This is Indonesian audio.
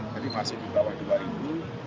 jadi masih di bawah dua